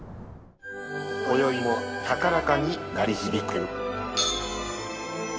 こよいも高らかに鳴り響く。